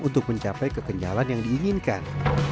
untuk mencapai kekenyalan yang diinginkan